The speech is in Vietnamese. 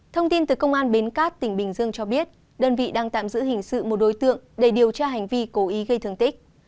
thông tin từ công an bến cát tỉnh bình dương cho biết đơn vị đang tạm giữ hình sự một đối tượng để điều tra hành vi cố ý gây thương tích